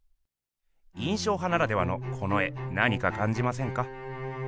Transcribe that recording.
印象派ならではのこの絵なにかかんじませんか？